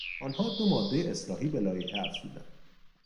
آنها دو مادهی اصلاحی به لایحه افزودند.